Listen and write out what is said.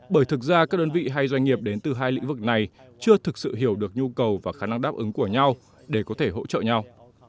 bởi thực ra các đơn vị hay doanh nghiệp đến từ hai lĩnh vực này chưa thực sự hiểu được nhu cầu và khả năng đáp ứng của nhau để có thể hỗ trợ nhau